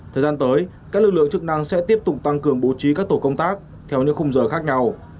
thời gian tới các lực lượng chức năng sẽ tiếp tục tăng cường bố trí các tổ công tác theo những khung giờ khác nhau